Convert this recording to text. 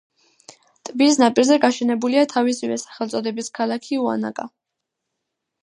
ტბის ნაპირზე გაშენებულია თავისივე სახელწოდების ქალაქი უანაკა.